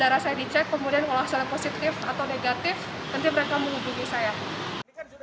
nanti mereka menghubungi saya